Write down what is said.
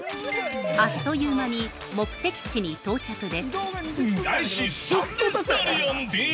あっという間に目的地に到着です。